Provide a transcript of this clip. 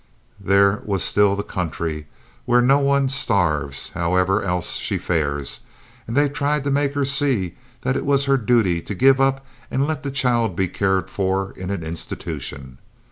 There was still the "county" where no one starves, however else she fares, and they tried to make her see that it was her duty to give up and let the child be cared for in an institution.